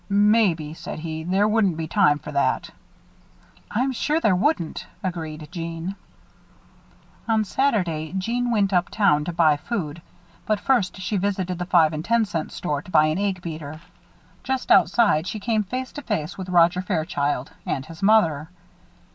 "Maybe," said he, "there wouldn't be time for that." "I'm sure there wouldn't," agreed Jeanne. On Saturday, Jeanne went up town to buy food. But first she visited the five and ten cent store to buy an egg beater. Just outside, she came face to face with Roger Fairchild and his mother.